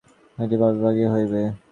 এই টুকুর জন্য পাপের ভাগী হইবে?